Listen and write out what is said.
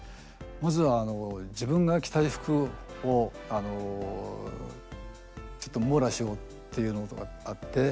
まずは自分が着たい服をあのちょっと網羅しようっていうのとかあって。